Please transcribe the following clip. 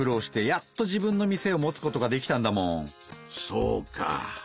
そうか。